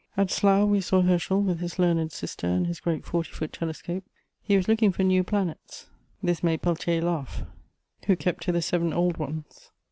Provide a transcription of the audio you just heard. At Slough we saw Herschel, with his learned sister and his great forty foot telescope; he was looking for new planets: this made Peltier laugh, who kept to the seven old ones.